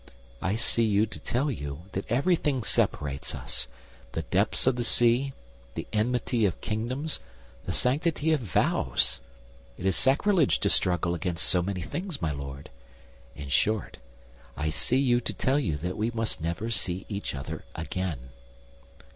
I see you to tell you that everything separates us—the depths of the sea, the enmity of kingdoms, the sanctity of vows. It is sacrilege to struggle against so many things, my Lord. In short, I see you to tell you that we must never see each other again."